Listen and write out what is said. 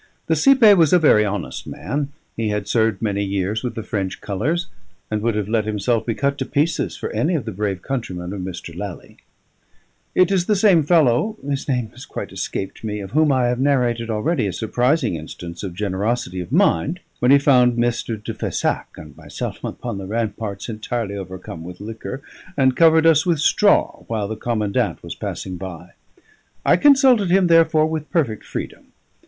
The cipaye was a very honest man; he had served many years with the French colours, and would have let himself be cut to pieces for any of the brave countrymen of Mr. Lally. It is the same fellow (his name has quite escaped me) of whom I have narrated already a surprising instance of generosity of mind when he found Mr. de Fessac and myself upon the ramparts, entirely overcome with liquor, and covered us with straw while the commandant was passing by. I consulted him, therefore, with perfect freedom.